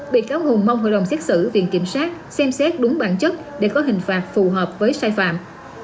bị cáo hùng mong hội đồng xét xử viện kiểm sát xem xét đúng bản chất để có hình phạt phù hợp với sai phạm